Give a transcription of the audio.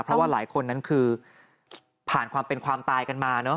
เพราะว่าหลายคนนั้นคือผ่านความเป็นความตายกันมาเนอะ